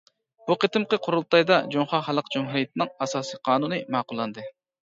بۇ قېتىمقى قۇرۇلتايدا «جۇڭخۇا خەلق جۇمھۇرىيىتىنىڭ ئاساسىي قانۇنى» ماقۇللاندى.